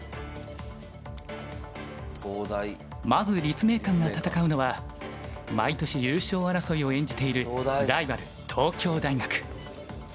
まず立命館が戦うのは毎年優勝争いを演じているライバル東京大学。